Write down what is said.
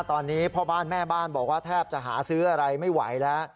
ตอนนี้พ่อบ้านแม่บ้านบอกว่าแทบจะหาซื้ออะไรไม่ไหวแล้ว